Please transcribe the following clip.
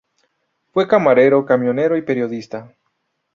Fue camarero, camionero y periodista.